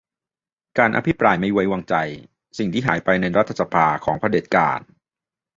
การอภิปรายไม่ไว้วางใจ : สิ่งที่หายไปในรัฐสภา ของเผด็จการ